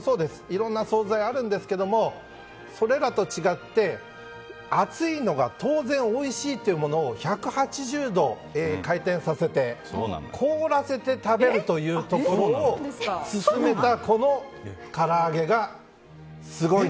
いろんな総菜あるんですけどそれらと違って熱いのが当然おいしいというものを１８０度回転させて凍らせて食べるということを勧めた、この唐揚げがすごい。